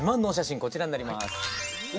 こちらになります。